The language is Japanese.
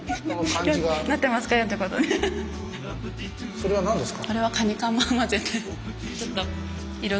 それは何ですか？